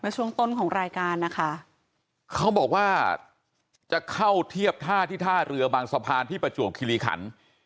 ช่วงต้นของรายการนะคะเขาบอกว่าจะเข้าเทียบท่าที่ท่าเรือบางสะพานที่ประจวบคิริขัน